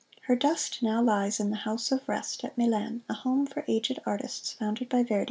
Her dust now lies in the "House of Rest," at Milan, a home for aged artists, founded by Verdi.